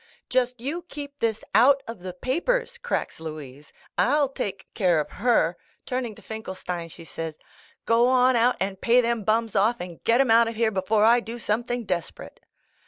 "Just you keep this out of the papers," cracks Louise, "I'll take care of her !"' Turning to Finkelstein she said : "go on out and pay them bums off and get 'em out of here before I do something desperate.''